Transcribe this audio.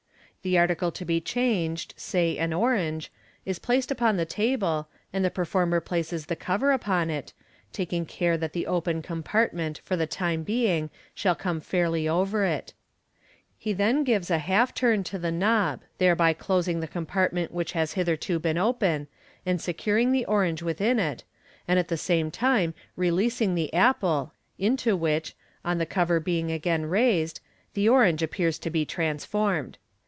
The article to be changed (say an orange) is placed upon the table, and the performer places the cover upon it, taking care that the open compartment for the time being shall come fairly over it. He then gives a half turn to the knob, thereby closing the compartment which has hitherto been open, and securing the orange within it, and at the same time releasing the apple, into which, on the WmMmaJsr Fig. 190. Fig. 191. cover being again raised, the orange appears to be transformed.